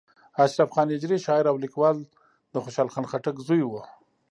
اشرف خان هجري شاعر او لیکوال د خوشحال خان خټک زوی و.